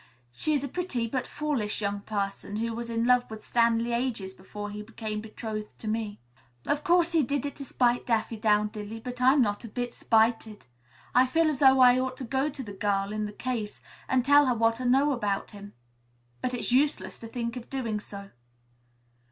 She is a pretty but foolish young person who was in love with Stanley ages before he became betrothed to me. Of course he did it to spite Daffydowndilly, but I'm not a bit 'spited.' I feel as though I ought to go to the girl in the case and tell her what I know about him. But it's useless to think of doing so."